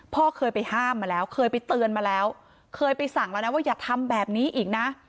พ่อเคยไปห้ามมาแล้วเคยไปเตือนมาแล้วเคยไปสั่งแล้วนะว่าอย่าทำแบบนี้อีกนะ